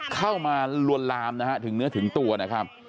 เข้ามาลวนลามนะฮะถึงเนื้อถึงตัวนะครับ